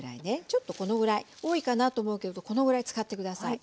ちょっと多いかなと思うけどこのぐらい使って下さい。